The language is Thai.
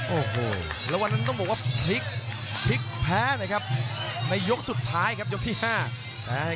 โอ้โหแล้ววันนั้นต้องบอกว่าพลิกพลิกแพ้นะครับในยกสุดท้ายครับยกที่ห้า